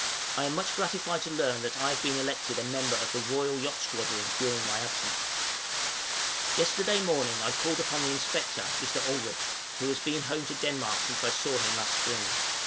I am much gratified to learn that I have been elected a member of the Royal Yacht Squadron during my absence. {STAY AT GODHAVN.} Yesterday morning I called upon the inspector, Mr. Olrik, who has been home to Denmark since I saw him last spring.